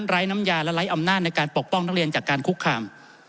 ไร้น้ำยาและไร้อำนาจในการปกป้องนักเรียนจากการคุกคาม